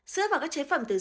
sữa và các chế phẩm từ sữa